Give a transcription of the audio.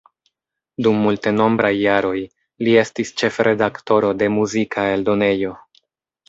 Dum multenombraj jaroj, li estis ĉefredaktoro de muzika eldonejo.